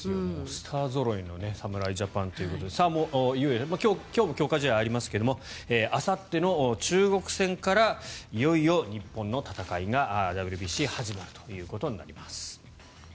スターぞろいの侍ジャパンということでもういよいよ今日も強化試合ありますがあさっての中国戦からいよいよ日本の戦いがＷＢＣ始まるということになります。